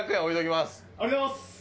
ありがとうございます！